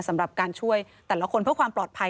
สำหรับการช่วยแต่ละคนเพื่อความปลอดภัย